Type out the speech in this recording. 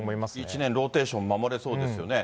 １年ローテーション守れそうですよね。